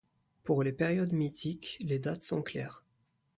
Pour les périodes mythiques, les dates sont claires.